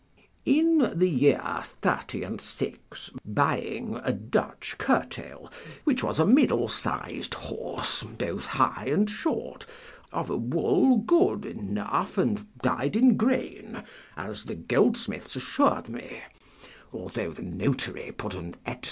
In the year thirty and six, buying a Dutch curtail, which was a middle sized horse, both high and short, of a wool good enough and dyed in grain, as the goldsmiths assured me, although the notary put an &c.